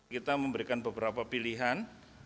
kita memberikan beberapa pilihan